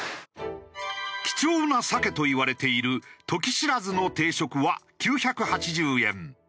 貴重な鮭といわれている時しらずの定食は９８０円。